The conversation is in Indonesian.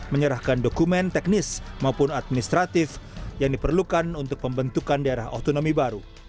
menyerahkan dokumen teknis maupun administratif yang diperlukan untuk pembentukan daerah otonomi baru